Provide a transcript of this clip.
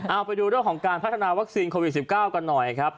เอาไปดูเรื่องของการพัฒนาวัคซีนโควิด๑๙กันหน่อยครับ